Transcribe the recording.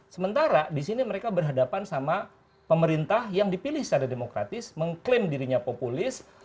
sementara di sini mereka berhadapan sama pemerintah yang dipilih secara demokratis mengklaim dirinya populis